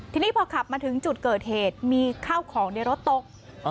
ทีนี้พอขับมาถึงจุดเกิดเหตุมีข้าวของในรถตก